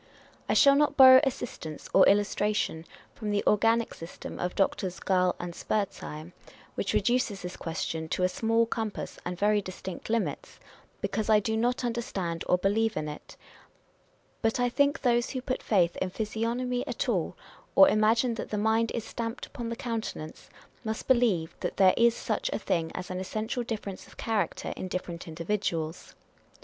I shall not borrow assistance or illustration from the organic system of Doctors Gall and Spurzheim, which reduces this question to a small compass and very distinct limits, because I do not understand or believe in it : but I think those who put faith in physiognomy at all, or imagine that the mind is stamped upon the countenance, must believe that there is such a thing as an essential difference of character in different individuals.